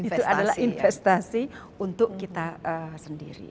itu adalah investasi untuk kita sendiri